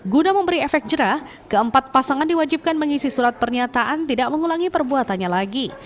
guna memberi efek jerah keempat pasangan diwajibkan mengisi surat pernyataan tidak mengulangi perbuatannya lagi